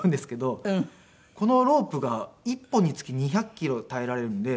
このロープが１本につき２００キロ耐えられるんで。